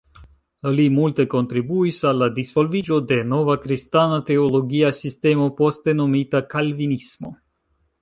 Li multe kontribuis al la disvolviĝo de nova kristana teologia sistemo poste nomita kalvinismo.